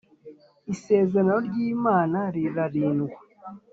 Isezerano ry’imana rira rindwa